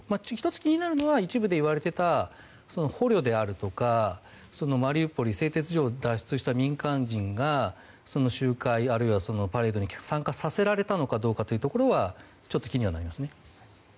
１つ気になるのは一部で言われていた捕虜であるとかマリウポリ製鉄所を脱出した民間人がその集会、あるいはそのパレードに参加させられたのかはちょっと気にはなりますね。